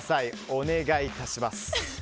お願い致します。